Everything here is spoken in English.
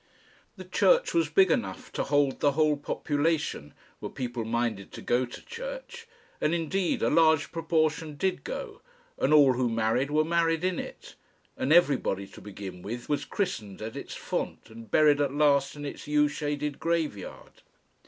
The church was big enough to hold the whole population, were people minded to go to church, and indeed a large proportion did go, and all who married were married in it, and everybody, to begin with, was christened at its font and buried at last in its yew shaded graveyard.